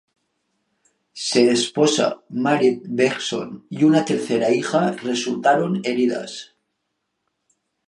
Se esposa, Marit Bergson, y una tercera hija, resultaron heridas.